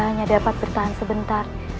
hanya dapat bertahan sebentar